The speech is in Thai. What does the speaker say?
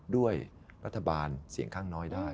ด้วยรัฐบาลเสียงข้างน้อยได้